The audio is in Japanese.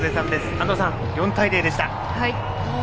安藤さん、４対０でした。